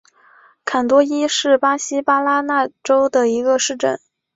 坎多伊是巴西巴拉那州的一个市镇。